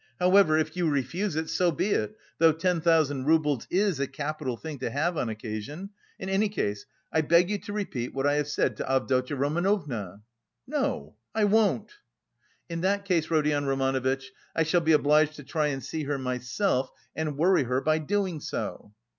However, if you refuse it, so be it, though ten thousand roubles is a capital thing to have on occasion. In any case I beg you to repeat what I have said to Avdotya Romanovna." "No, I won't." "In that case, Rodion Romanovitch, I shall be obliged to try and see her myself and worry her by doing so."